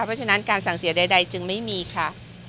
เพราะฉะนั้นการสั่งเสียใดจึงไม่มีค่ะ